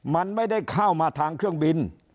มันไม่ได้เข้ามาทางเครื่องบิน